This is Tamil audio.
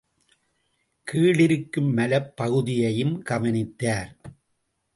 கீழிருக்கும் மலைப்பகுதியையும் கவனித்தார்.